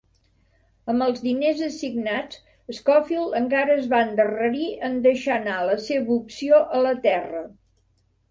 Amb els diners assignats, Schofield encara es va endarrerir en deixar anar la seva opció a la terra.